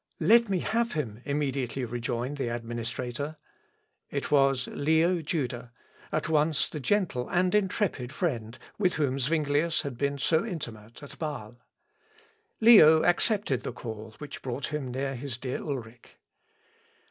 "Let me have him," immediately rejoined the administrator. It was Leo Juda, at once the gentle and intrepid friend with whom Zuinglius had been so intimate at Bâle. Leo accepted the call which brought him near his dear Ulric.